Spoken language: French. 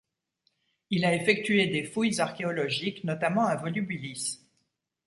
Il a effectué des fouilles archéologiques notamment à Volubilis.